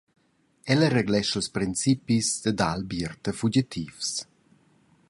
Ella reglescha ils principis da dar albiert a fugitivs.